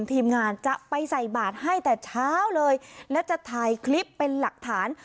ทีมงานจะไปใส่บาทให้แต่เช้าเลยและจะถ่ายคลิปเป็นหลักฐาน